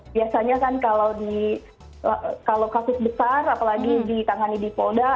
biasanya kan kalau kasus besar apalagi ditangani di polda